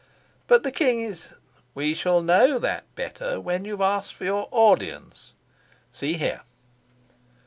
"But the king is " "We shall know that better when you've asked for your audience. See here."